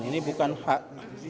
ini bukan hak